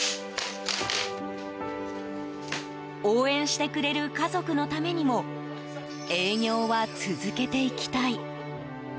応援してくれる家族のためにも営業は続けていきたい。